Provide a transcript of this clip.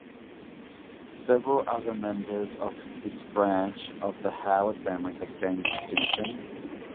Several other members of this branch of the Howard family have gained distinction.